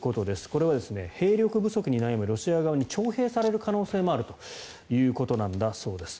これは兵力不足に悩むロシア側に徴兵される可能性もあるということなんだそうです。